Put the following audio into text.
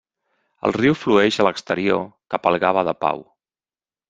El riu flueix a l'exterior cap al Gave de Pau.